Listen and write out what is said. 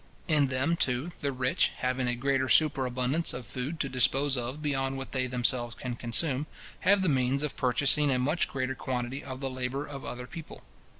In them, too, the rich, having a greater superabundance of food to dispose of beyond what they themselves can consume, have the means of purchasing a much greater quantity of the labour of other people.